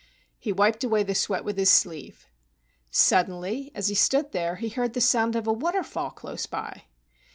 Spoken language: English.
He wiped away the sweat with his sleeve. Suddenly, as he stood there, he heard the sound of a waterfall close by.